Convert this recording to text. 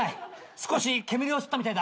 少し煙を吸ったみたいだ。